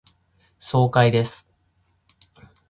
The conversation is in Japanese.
爽快です。